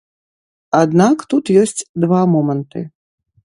Аднак тут ёсць два моманты.